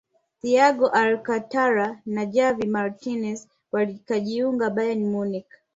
thiago alcantara na javi martinez wakajiunga bayern munich